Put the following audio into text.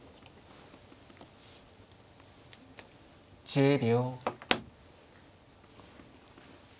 １０秒。